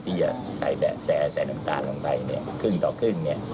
ที่จะแสนน้ำตาลลงไปครึ่งต่อครึ่ง